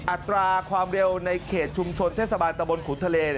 อัตราความเร็วในเขตชุมชนเทศบาลตะบนขุนทะเล